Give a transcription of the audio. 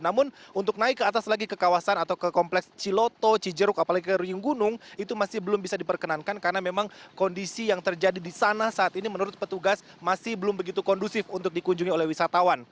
namun untuk naik ke atas lagi ke kawasan atau ke kompleks ciloto cijeruk apalagi ke ruyung gunung itu masih belum bisa diperkenankan karena memang kondisi yang terjadi di sana saat ini menurut petugas masih belum begitu kondusif untuk dikunjungi oleh wisatawan